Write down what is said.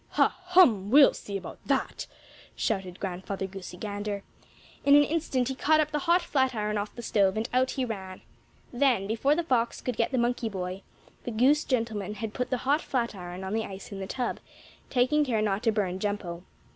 "Ha! Hum! We'll see about that!" shouted Grandfather Goosey Gander. In an instant he caught up the hot flatiron off the stove, and out he ran. Then, before the fox could get at the monkey boy the goose gentleman had put the hot flatiron on the ice in the tub, taking care not to burn Jumpo.